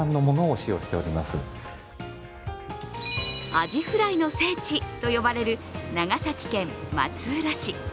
アジフライの聖地と呼ばれる長崎県松浦市。